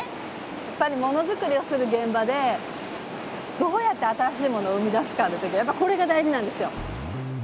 やっぱりもの作りをする現場でどうやって新しいものを生み出すかっていう時はやっぱりこれが大事なんですよ。